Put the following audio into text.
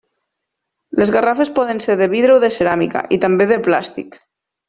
Les garrafes poden ser de vidre o de ceràmica i també de plàstic.